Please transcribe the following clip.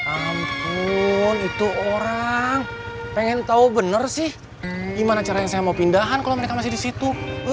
ampun itu orang pengen tau bener sih gimana cara yang saya mau pindahan kalo mereka masih di situ